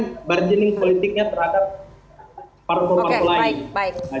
margining politiknya terhadap partai partai lain